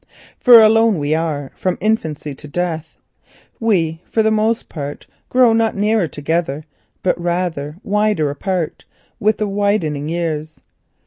For alone we are from infancy to death!—we, for the most part, grow not more near together but rather wider apart with the widening years.